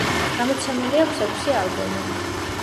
გამოცემული აქვს ექვსი ალბომი.